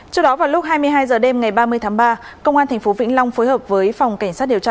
trước đó vào lúc hai mươi hai h đêm ngày ba mươi tháng ba công an tp vĩnh long phối hợp với phòng cảnh sát điều tra